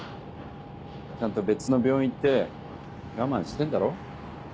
ちゃんと別の病院行って我慢してんだろ